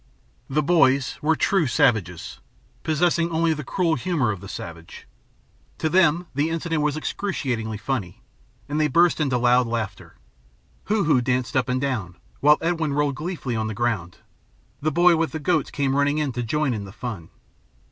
The boys were true savages, possessing only the cruel humor of the savage. To them the incident was excruciatingly funny, and they burst into loud laughter. Hoo Hoo danced up and down, while Edwin rolled gleefully on the ground. The boy with the goats came running to join in the fun.